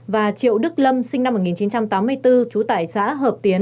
và triệu đức lâm sinh năm một nghìn chín trăm tám mươi bốn chú tải xã hợp tiến